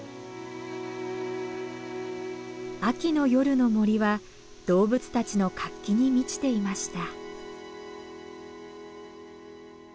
秋の夜の森は動物たちの活気に満ちていました。